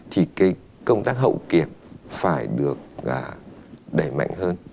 thì cái công tác hậu kiệp phải được đẩy mạnh hơn